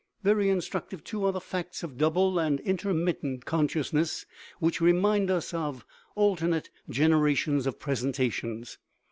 Very instructive, too, are the facts of double and in termittent consciousness, which remind us of " alter nate generations of presentations."